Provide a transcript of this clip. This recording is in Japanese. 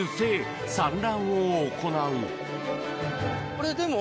これでも。